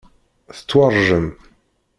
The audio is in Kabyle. Tettwaṛjem.